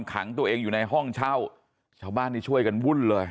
ขังตัวเองอยู่ในห้องเช่าชาวบ้านนี่ช่วยกันวุ่นเลย